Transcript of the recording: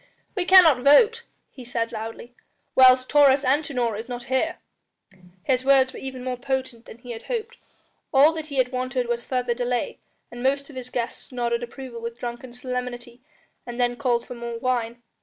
"We cannot vote," he said loudly, "whilst Taurus Antinor is not here." His words were even more potent than he had hoped; all that he had wanted was further delay, and most of his guests nodded approval with drunken solemnity and then called for more wine.